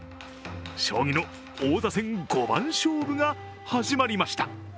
将棋の王座戦五番勝負が始まりました。